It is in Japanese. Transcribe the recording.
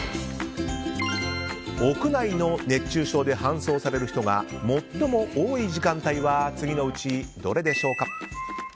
屋内の熱中症で搬送される人が最も多い時間帯は次のうちどれでしょうか。